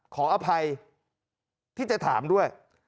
ขออภัยที่จะถามด้วย